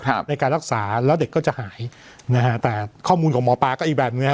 ในการรักษาแล้วเด็กก็จะหายนะฮะแต่ข้อมูลของหมอปลาก็อีกแบบหนึ่งฮะ